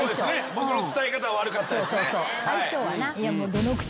僕の伝え方悪かったですね。